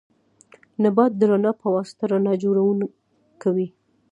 نبات د رڼا په واسطه رڼا جوړونه کوي